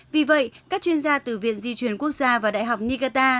vì vậy các chuyên gia từ viện di chuyển quốc gia và đại học nicata